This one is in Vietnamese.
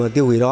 tiêu hủy đó